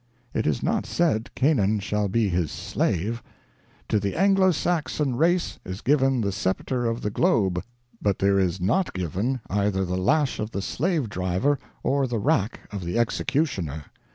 It is not said Canaan shall be his slave. To the Anglo Saxon race is given the scepter of the globe, but there is not given either the lash of the slave driver or the rack of the executioner.